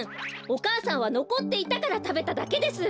お母さんはのこっていたからたべただけです！